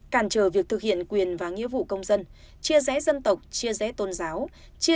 cảm ơn quý vị đã quan tâm theo dõi